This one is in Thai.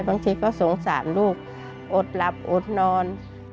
บางทีก็สงสารลูกอดหลับอดนอน